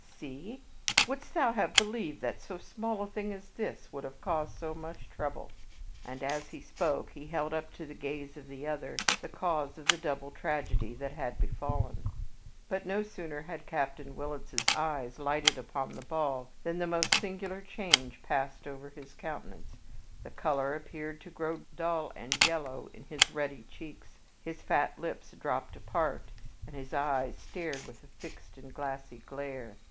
See! wouldst thou have believed that so small a thing as this would have caused so much trouble?" And as he spoke he held up to the gaze of the other the cause of the double tragedy that had befallen. But no sooner had Captain Willitts's eyes lighted upon the ball than the most singular change passed over his countenance. The color appeared to grow dull and yellow in his ruddy cheeks, his fat lips dropped apart, and his eyes stared with a fixed and glassy glare.